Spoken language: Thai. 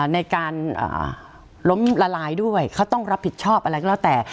ในการล้มละลายด้วยเขาต้องรับผิดชอบอะไรก็แล้วแต่